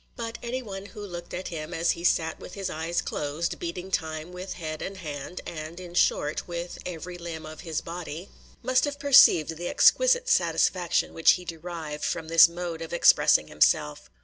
But any one who looked at him, as he sat with his eyes closed, beating time with head and hand, and, in short, with every limb of his body, must have perceived the exquisite satisfaction which he derived from this mode of expressing himself.